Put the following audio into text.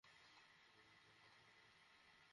Oh, hi, when!